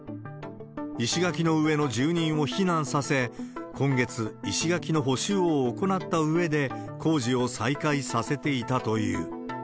石垣の上の住人を避難させ、今月、石垣の補修を行ったうえで工事を再開させていたという。